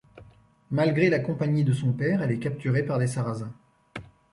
Malgré la compagnie de son père, elle est capturée par des Sarrasins.